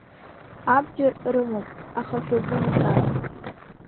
Абџьар рымоуп, аха шәазымҵаан…